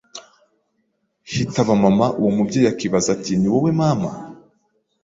hitaba mama uwo mubyeyi akibaza ati ni wowe mama